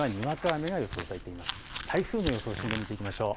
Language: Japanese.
台風の予想進路見ていきましょう。